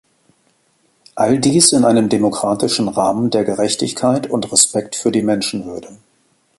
All dies in einem demokratischen Rahmen der Gerechtigkeit und Respekt für die Menschenwürde.